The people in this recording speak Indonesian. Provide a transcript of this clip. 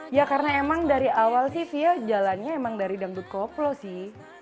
ya karena emang dari awal sih fia jalannya emang dari dangdut koplo sih